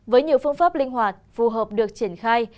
với nhiều phương pháp linh hoạt phù hợp được triển khai